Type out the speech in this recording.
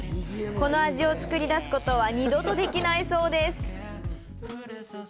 この味を造り出すことは二度とできないそうです